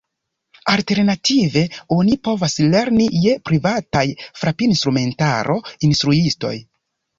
Alternative oni povas lerni je privataj frapinstrumentaro-instruistoj.